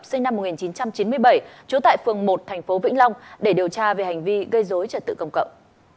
sinh năm một nghìn chín trăm chín mươi bảy trú tại phường một thành phố vĩnh long để điều tra về hành vi gây dối trật tự công cộng